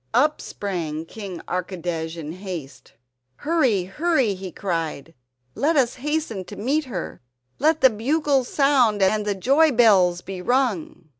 Up sprang King Archidej in haste: "Hurry, hurry," he cried. "Let us hasten to meet her! Let the bugles sound and the joy bells be rung!"